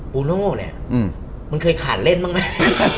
ปูโน่เนี่ยมันเคยขาดเล่นบ้างไหม